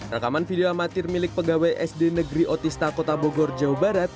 rekaman video amatir milik pegawai sd negeri otista kota bogor jawa barat